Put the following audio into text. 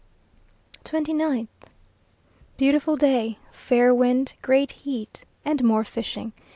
29th. Beautiful day, fair wind, great heat, and more fishing.